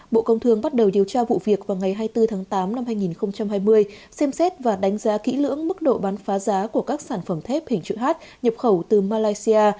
bộ công thương bắt đầu điều tra vụ việc vào ngày hai mươi bốn tháng tám năm hai nghìn hai mươi xem xét và đánh giá kỹ lưỡng mức độ bán phá giá của các sản phẩm thép hình chữ h nhập khẩu từ malaysia